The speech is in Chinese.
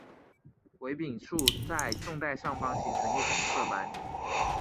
尾柄处在纵带上方形成一黄色斑。